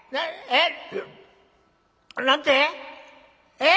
えっ？